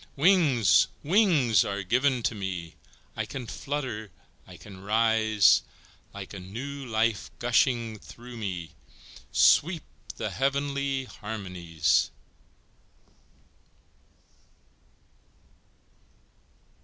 Wings! wings are given to me, I can flutter, I can rise, Like a new life gushing through me Sweep the heavenly harmonies!